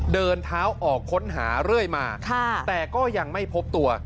เดินเท้าออกค้นหาเรื่อยมาแต่ก็ยังไม่พบตัว